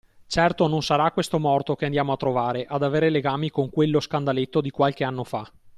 Certo non sarà questo morto che andiamo a trovare ad avere legami con quello scandaletto di qualche anno fa.